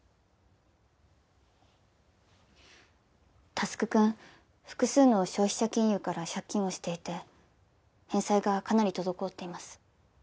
佑くん複数の消費者金融から借金をしていて返済がかなり滞っています。